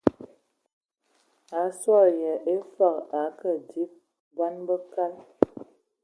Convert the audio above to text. A sǝ ali, e yǝ fǝg a akǝ a adib bɔn kǝg nalá.